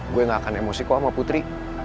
gue gak akan emosi kok sama putri